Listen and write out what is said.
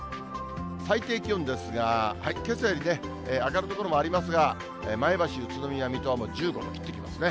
最低気温ですが、けさより上がる所もありますが、前橋、宇都宮、水戸はもう１０度を切ってきますね。